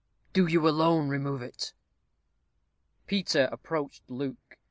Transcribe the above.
Do you alone remove it." Peter approached Luke.